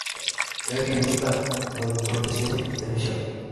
Es guionista y "productor" de cine y televisión.